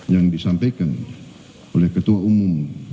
yang disampaikan oleh ketua umum